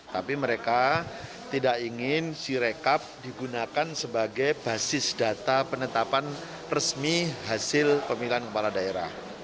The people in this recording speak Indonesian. tapi mereka tidak ingin sirekap digunakan sebagai basis data penetapan resmi hasil pemilihan kepala daerah